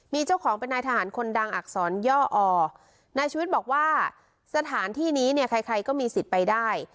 มีเจ้าของเป็นนายทหารคนดังอักษรย่ออนายชีวิตบอกว่าสถานที่นี้เนี่ยใครใครก็มีสิทธิ์ไปได้